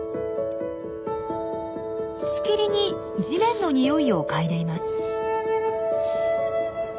しきりに地面の匂いを嗅いでいます。